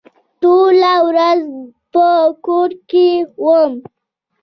ټوله ورځ په کور کې وم.